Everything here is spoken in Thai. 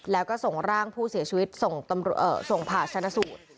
แล้วก็ส่งร่างผู้เสียชีวิตส่งผ่าชนะสูตร